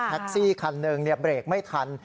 แท็กซี่คันหนึ่งเนี่ยเบรกไม่ทัน